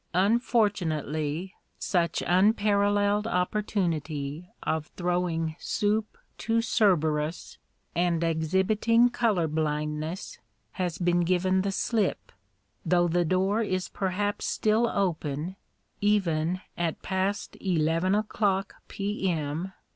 Unfortunately such unparalleled opportunity of throwing soup to Cerberus, and exhibiting colour blindness, has been given the slip, though the door is perhaps still open (even at past eleven o'clock P.M.)